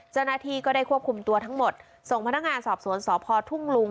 เจ้าหน้าที่ก็ได้ควบคุมตัวทั้งหมดส่งพนักงานสอบสวนสพทุ่งลุง